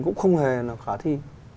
cũng không hề khả thi